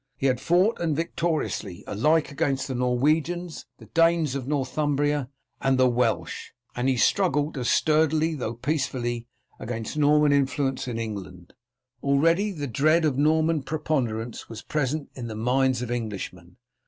He had fought, and victoriously, alike against the Norwegians, the Danes of Northumbria, and the Welsh, and he struggled as sturdily, though peacefully, against Norman influence in England. Already the dread of Norman preponderance was present in the minds of Englishmen.